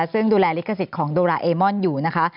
ซึ่งดูแลลิขสิทธิ์ของโดราเอมอนอยู่นะคะ